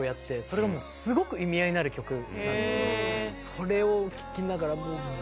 それを聴きながらもう。